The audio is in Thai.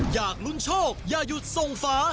อย่านุญชกอย่าหยุดทรงฟ้า